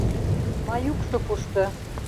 Маюкшо кушто?